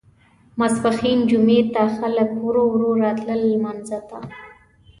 ماسپښین جمعې ته خلک ورو ورو راتلل لمانځه ته.